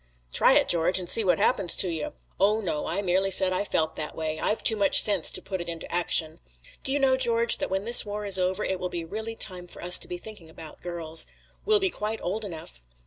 "Try it, George, and see what happens to you." "Oh, no! I merely said I felt that way. I've too much sense to put it into action." "Do you know, George, that when this war is over it will be really time for us to be thinking about girls. We'll be quite old enough.